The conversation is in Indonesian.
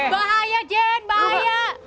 mau jadi gak mau turun